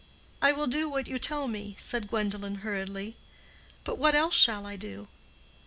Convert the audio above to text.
"I will do what you tell me," said Gwendolen, hurriedly; "but what else shall I do?"